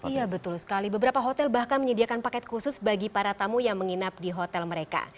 iya betul sekali beberapa hotel bahkan menyediakan paket khusus bagi para tamu yang menginap di hotel mereka